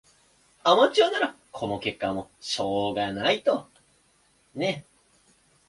アマチュアならこの結果もしょうがない